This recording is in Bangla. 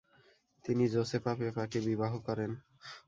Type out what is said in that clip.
তিনি জোসেফা পেপাকে বিবাহ করেন।